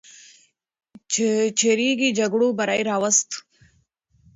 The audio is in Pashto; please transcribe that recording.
چریکي جګړو بری راوست.